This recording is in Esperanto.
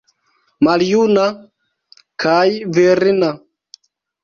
Maljuna, kaj virina.